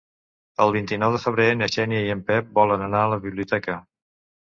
El vint-i-nou de febrer na Xènia i en Pep volen anar a la biblioteca.